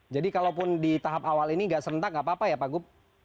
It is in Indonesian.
jadi kalaupun di tahap awal ini nggak serentak nggak apa apa ya pak gu